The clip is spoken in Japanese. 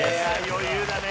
余裕だね。